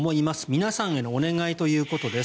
皆さんへのお願いということです。